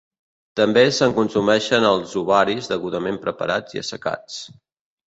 També se'n consumeixen els ovaris degudament preparats i assecats.